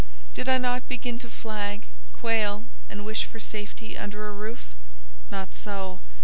Did I not begin to flag, quail, and wish for safety under a roof? Not so.